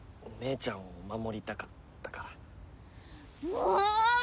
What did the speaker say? もう！